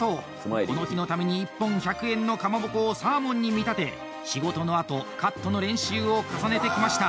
この日のために１本１００円のカマボコをサーモンに見立て仕事のあと、カットの練習を重ねてきました。